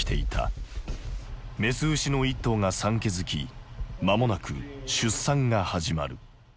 雌牛の一頭が産気づきまもなく出産が始まる。